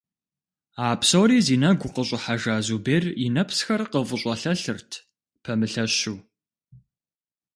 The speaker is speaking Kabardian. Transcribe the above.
А псори зи нэгу къыщIыхьэжа Зубер и нэпсхэр къыфIыщIэлъэлъырт, пэмылъэщу.